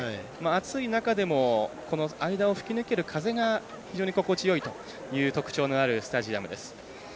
暑い中でも間を吹き抜ける風が非常に心地よいという特徴のあるスタジアムです。